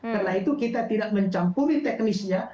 karena itu kita tidak mencampuri teknisnya